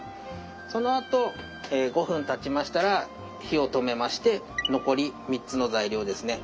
そのあと５分たちましたら火を止めまして残り３つの材料ですね